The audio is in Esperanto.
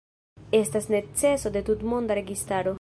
Estas neceso de tutmonda registaro.